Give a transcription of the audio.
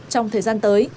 trong thời gian tới